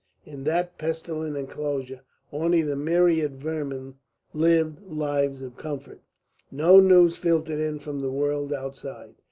In that pestilent enclosure only the myriad vermin lived lives of comfort. No news filtered in from the world outside.